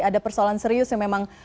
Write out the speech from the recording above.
ada persoalan serius yang memang